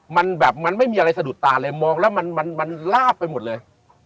มันแบบมันไม่มีอะไรสะดุดตาเลยมองแล้วมันลาบไปหมดเลย